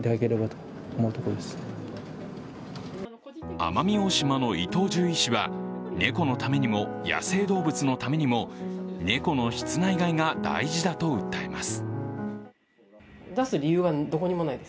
奄美大島の伊藤獣医師は猫のためにも、野生動物のためにも猫の室内飼いが大事だと訴えます。